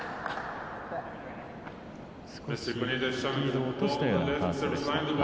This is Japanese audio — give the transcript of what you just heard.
少しスピードを落としたようなファーストでした。